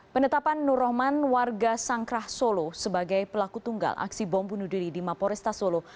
penetapan nur rohman warga sangkrah solo sebagai pelaku tunggal aksi bom bunuh diri di maporesta solo